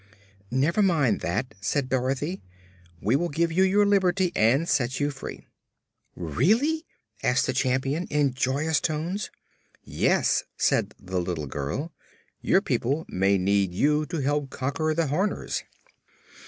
"Never mind that," said Dorothy. "We will give you your liberty and set you free." "Really?" asked the Champion in joyous tones. "Yes," said the little girl; "your people may need you to help conquer the Horners."